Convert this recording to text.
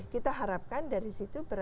kita harapkan dari situ